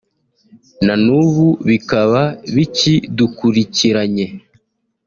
na n’ubu bikaba bikidukurikiranye